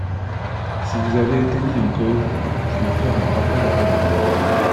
Si vous avez été mis en cause, vous pouvez faire un rappel au règlement.